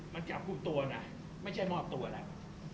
มันจับกลุ่มตัวเนี่ยไม่ใช่มอบตัวแหละ